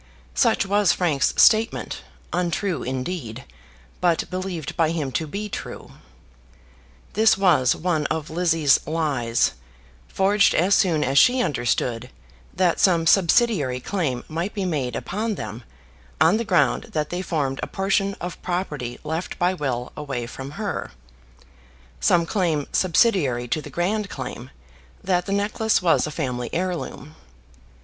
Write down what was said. Such was Frank's statement, untrue indeed, but believed by him to be true. This was one of Lizzie's lies, forged as soon as she understood that some subsidiary claim might be made upon them on the ground that they formed a portion of property left by will away from her; some claim subsidiary to the grand claim, that the necklace was a family heirloom.